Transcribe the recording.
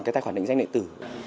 cái tài khoản định danh điện tử